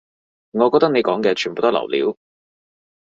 我覺得你講嘅全部都係流料